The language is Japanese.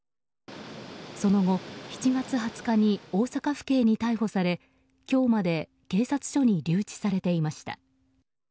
その後、７月２０日に大阪府警に逮捕され今日まで警察署に留置されていました。